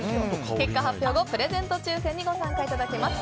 結果発表後プレゼント抽選にご参加いただけます。